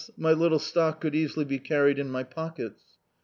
my little stock could easily be carried in my pockets.